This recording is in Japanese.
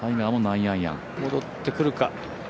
戻ってくるか。